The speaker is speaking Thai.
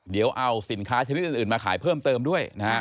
เดี๋ยวเอาสินค้าชนิดอื่นมาขายเพิ่มเติมด้วยนะครับ